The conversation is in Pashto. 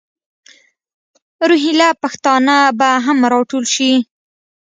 روهیله پښتانه به هم را ټول شي.